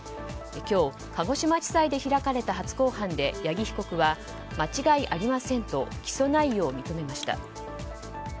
今日、鹿児島地裁で開かれた初公判で八木被告は間違いありませんと起訴内容を認めました。